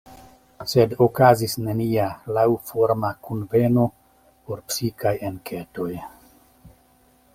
Sed okazis nenia laŭforma kunveno por psikaj enketoj.